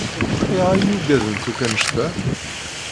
Ayɣer i yugadent akk annect-a?